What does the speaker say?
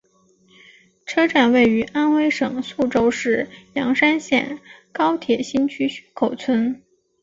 车站位于安徽省宿州市砀山县高铁新区薛口村。